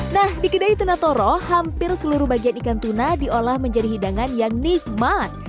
nah di kedai tuna toro hampir seluruh bagian ikan tuna diolah menjadi hidangan yang nikmat